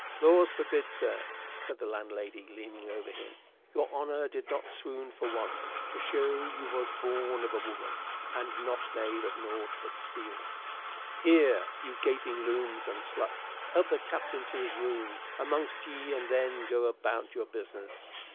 "Laws forbid, sir!" said the landlady, leaning over him. "Your honor did but swoon for once, to show you was born of a woman, and not made of nought but steel. Here, you gaping loons and sluts, help the Captain to his room amongst ye, and then go about your business."